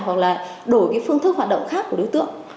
hoặc là đổi cái phương thức hoạt động khác của đối tượng